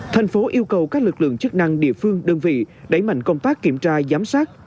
thành phố yêu cầu các lực lượng chức năng địa phương đơn vị đẩy mạnh công tác kiểm tra giám sát